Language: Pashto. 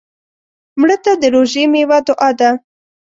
مړه ته د روژې میوه دعا ده